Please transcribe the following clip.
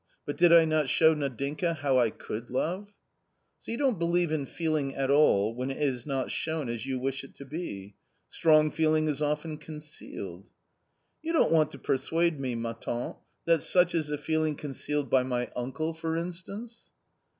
But did I not show Nadinka how I could love ?" So you don't believe in feeling at all, when it i^not shown as you wish it to be ? Strong feeling is often^on cealed." *. "You don't want to persuade me, ma tante, that such is V the feeling concealed by my uncle, for instance